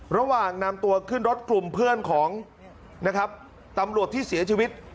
ระหว่างนำตัวขึ้นรถกลุ่มเพื่อนของนะครับตำรวจที่เสียชีวิต